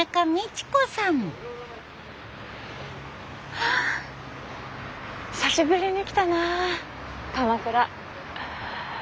はあ久しぶりに来たな鎌倉。